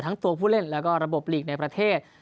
ทั้งตัวผู้เล่นแล้วก็ระบบหลีกในประเทศ